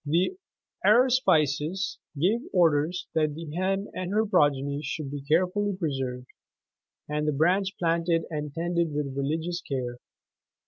The aruspices gave orders that the hen and her progeny should be carefully preserved, and the branch planted and tended with religious care.